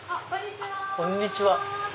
こんにちは。